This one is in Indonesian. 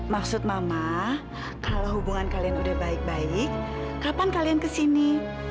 maksud mama kalau hubungan kalian udah baik baik kapan kalian kesini